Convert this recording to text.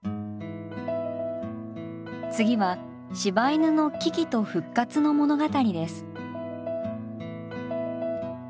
次は柴犬の危機と復活の物語です。